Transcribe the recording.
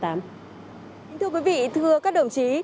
thưa quý vị thưa các đồng chí